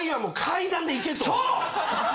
そう！